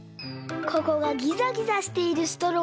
ここがギザギザしているストローもありますよね。